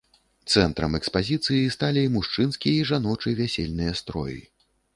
Цэнтрам экспазіцыі сталі мужчынскі і жаночы вясельныя строі.